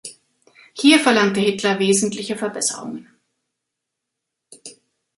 Hier verlangte Hitler wesentliche Verbesserungen.